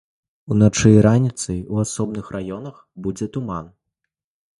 Уначы і раніцай у асобных раёнах будзе туман.